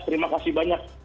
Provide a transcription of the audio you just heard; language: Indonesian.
terima kasih banyak